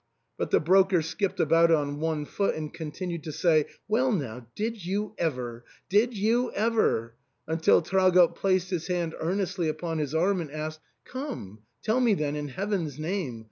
But the broker skipped about on one foot, and continued to say, "Well, now, did you ever? did you ever ?" until Traugott placed his hand earnestly upon his arm and asked, "Come, tell me then, in heaven s name